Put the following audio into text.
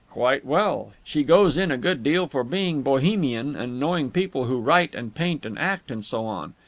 "Quite well. She goes in a good deal for being Bohemian and knowing people who write and paint and act and so on.